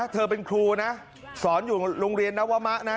เธอเป็นครูนะสอนอยู่โรงเรียนนวมะนะ